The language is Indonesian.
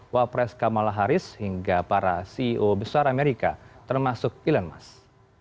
wapres kamala harris hingga para ceo besar amerika termasuk elon musk